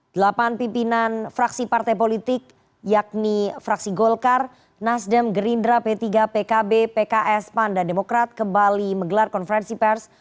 delapan pimpinan fraksi partai politik yakni fraksi golkar nasdem gerindra p tiga pkb pks pan dan demokrat kembali menggelar konferensi pers